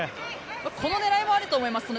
この狙いもあると思いますね。